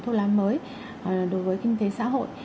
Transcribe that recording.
thuốc lá mới đối với kinh tế xã hội